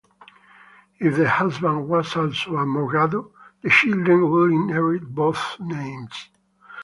If the husband was also a morgado, the children would inherit both names.